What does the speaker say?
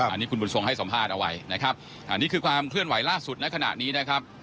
อันนี้คุณบุญทรงให้สัมภาษณ์เอาไว้นะครับอันนี้คือความเคลื่อนไหวล่าสุดในขณะนี้นะครับ